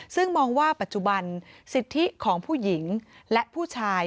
ซึ่งมองว่าปัจจุบันสิทธิของผู้หญิงและผู้ชาย